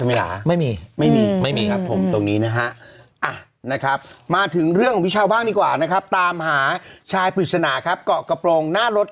งามเสมอไม่มีไม่มีผมตรงนี้นะฮะนะครับมาถึงเรื่องเราวางดีกว่านะครับตามหาชายผู้สนาครับกรเหรอกระโปรงหน้ารถเก่ง